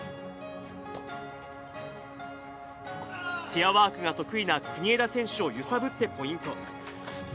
チェアワークが得意な国枝選手を揺さぶってポイント。